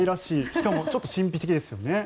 しかもちょっと神秘的ですよね。